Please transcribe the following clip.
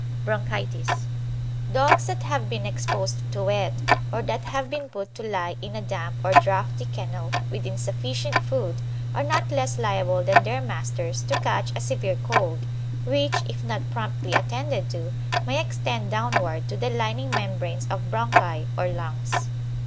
BRONCHITIS. Dogs that have been exposed to wet, or that have been put to lie in a damp or draughty kennel with insufficient food, are not less liable than their masters to catch a severe cold, which, if not promptly attended to, may extend downward to the lining membranes of bronchi or lungs.